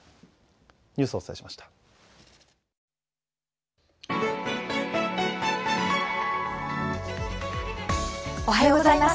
おはようございます。